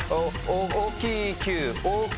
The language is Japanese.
お大きい９？